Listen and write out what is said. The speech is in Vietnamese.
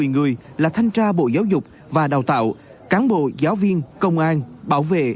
ba năm trăm một mươi người là thanh tra bộ giáo dục và đào tạo cán bộ giáo viên công an bảo vệ